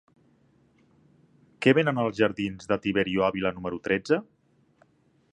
Què venen als jardins de Tiberio Ávila número tretze?